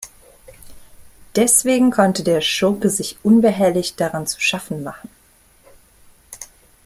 Deswegen konnte der Schurke sich unbehelligt daran zu schaffen machen.